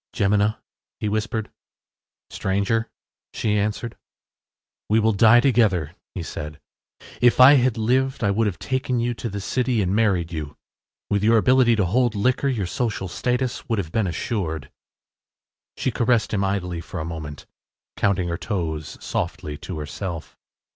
“Jemina,” he whispered. “Stranger,” she answered. “We will die together,” he said. “If we had lived I would have taken you to the city and married you. With your ability to hold liquor, your social success would have been assured.” She caressed him idly for a moment, counting her toes softly to herself.